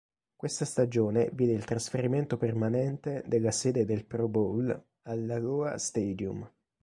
Questa stagione vide il trasferimento permanente della sede del Pro Bowl all'Aloha Stadium.